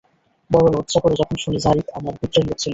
বড় লজ্জা করে যখন শুনি যারীদ আমার গোত্রের লোক ছিল।